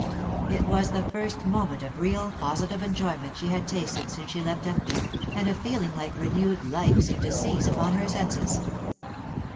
It was the first moment of real positive enjoyment she had tasted since she left £mpton, and a feeling like renewed life seemed to seize upon her senses.